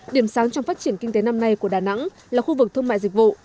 điểm sáng trong phát triển kinh tế năm nay của đà nẵng là khu vực thương mại dịch vụ